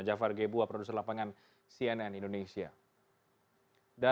jafar gebuah produser lapangan cnn indonesia